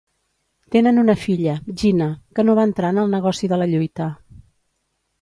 Tenen una filla, Gina, que no va entrar en el negoci de la lluita.